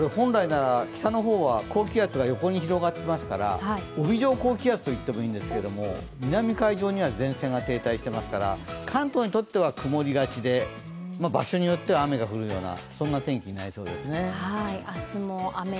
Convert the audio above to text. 本来なら北の方は高気圧が横に広がっていますから帯状高気圧といってもいいんですけど、南海上には停滞していますから、関東にとっては曇りがちで場所によっては雨が降るような天気になりそうですね。